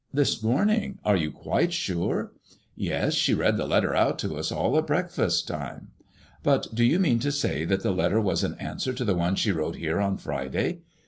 "This morning? Are you quite sure ?"Yes, she read the letter oat to us all at breakfast time." But do you mean to say that letter was an answer to the one she wrote here on Friday